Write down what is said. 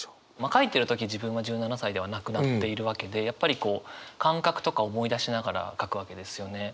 書いてる時自分は１７歳ではなくなっているわけでやっぱり感覚とか思い出しながら書くわけですよね。